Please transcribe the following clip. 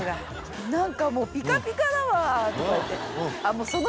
「もうピカピカだわ」とか言って。